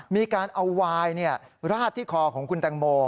มีการเอาวายราดที่คอของคุณแตงโม